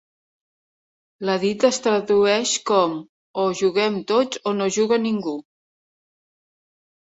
La dita es tradueix com: O juguem tots o no juga ningú!